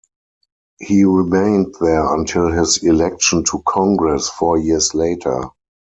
He remained there until his election to Congress four years later.